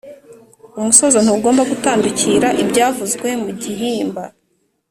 Umusozo ntugomba gutandukira ibyavuzwe mu gihimba.